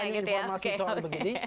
saya bagi informasi soal begini